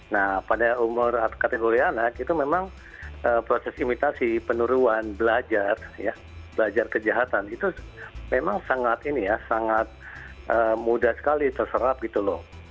nah pada umur kategori anak itu memang proses imitasi penuruan belajar belajar kejahatan itu memang sangat mudah sekali terserap gitu loh